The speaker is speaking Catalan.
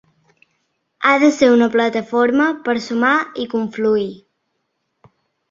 Ha de ser una plataforma per sumar i confluir.